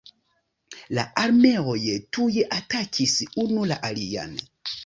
La armeoj tuj atakis unu la alian.